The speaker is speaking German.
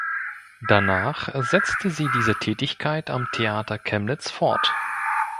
Danach setzte sie diese Tätigkeit am Theater Chemnitz fort.